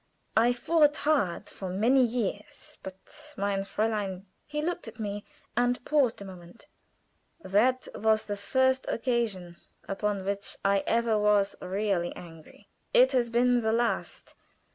I fought hard for many years; but, mein Fräulein" (he looked at me, and paused a moment) "that was the first occasion upon which I ever was really angry; it has been the last.